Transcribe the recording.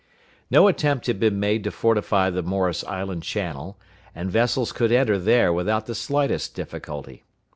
No attempt had been made to fortify the Morris Island channel, and vessels could enter there without the slightest difficulty.